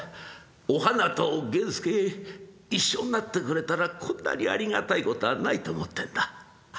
お花と源助一緒になってくれたらこんなにありがたいことはないと思ってんだ」。